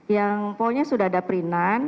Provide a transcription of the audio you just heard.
yang polnya sudah ada perinan